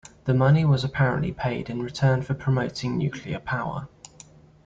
The money was apparently paid in return for promoting nuclear power.